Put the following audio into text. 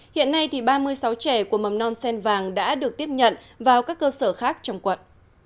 hiện nay ba mươi sáu trẻ của mầm non sen vàng đã được tiếp nhận vào các cơ sở khác trong quận